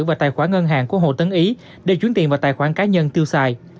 và tài khoản ngân hàng của hồ tấn ý để chuyển tiền vào tài khoản cá nhân tiêu xài